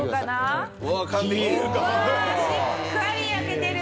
うわしっかり焼けてる。